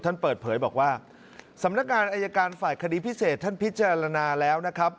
ท่านเปิดเผยบอกว่าสำนักงานอายการฝ่ายคดีพิเศษท่านพิจารณาแล้วนะครับ